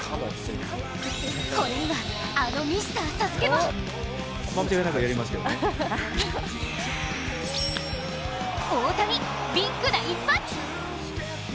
これには、あのミスターＳＡＳＵＫＥも大谷、ビッグな一発！